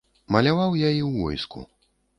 Маляваў я і ў войску.